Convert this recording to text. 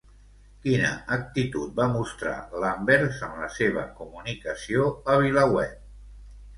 Quina actitud va mostrar Lamberts en la seva comunicació a Vilaweb?